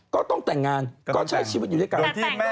ก็ต้องแต่งงานก็ใช้ชีวิตอยู่ด้วยกัน